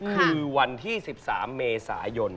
คือวันที่๑๓เมษายน